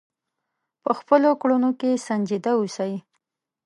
په خپلو کړنو کې سنجیده اوسئ.